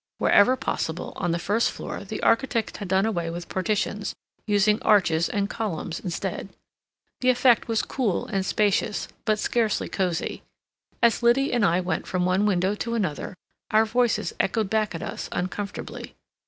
Wherever possible, on the first floor, the architect had done away with partitions, using arches and columns instead. The effect was cool and spacious, but scarcely cozy. As Liddy and I went from one window to another, our voices echoed back at us uncomfortably.